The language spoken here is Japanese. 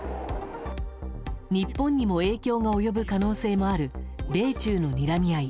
日本にも影響が及ぶ可能性がある米中のにらみ合い。